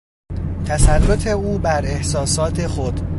تسلط او بر احساسات خود...